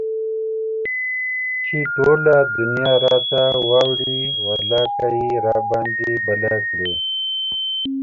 چې ټوله دنيا راته واوړي ولاکه يي راباندى بله کړي